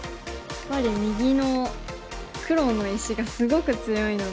やっぱり右の黒の石がすごく強いので。